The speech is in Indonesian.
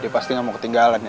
dia pasti gak mau ketinggalan ya